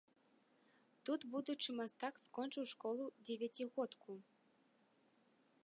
Тут будучы мастак скончыў школу-дзевяцігодку.